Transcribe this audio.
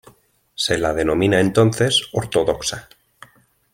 Se la denomina entonces ortodoxa.